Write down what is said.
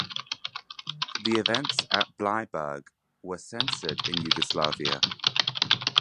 The events at Bleiburg were censored in Yugoslavia.